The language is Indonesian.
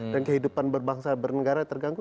dan kehidupan berbangsa dan bernegara terganggu